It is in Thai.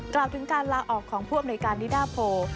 กล่าวถึงการลาออกของผู้อำนวยการนิดาโพ